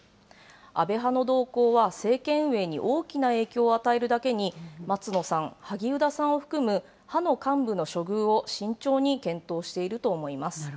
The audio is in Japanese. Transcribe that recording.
安倍派の動向は、政権運営に大きな影響を与えるだけに、松野さん、萩生田さんを含む派の幹部の処遇を慎重に検討していると思います。